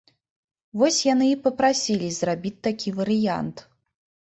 Вось яны і папрасілі зрабіць такі варыянт.